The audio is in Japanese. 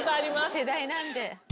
世代なので。